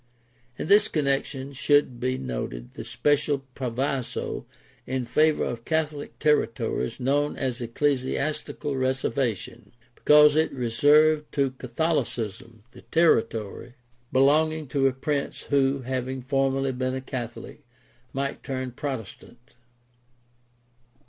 In this connection should be noted the special proviso in favor of Catholic territories known as the Ecclesiastical Reservation, because it reserved to Catholicism the territory belonging to a prince who, having formerly been a Catholic, might turn Protestant.